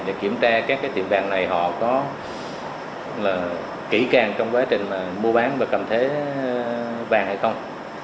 để kiểm tra các tiệm vàng này họ có kỹ càng trong quá trình mua bán và cầm thế vàng hay không